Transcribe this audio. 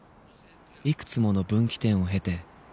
いくつもの分岐点を経て進んでいく